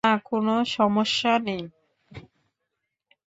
না, কোনো সমস্যা নেই।